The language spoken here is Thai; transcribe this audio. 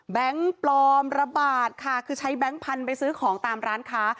ปลอมระบาดค่ะคือใช้แบงค์พันธุ์ไปซื้อของตามร้านค้า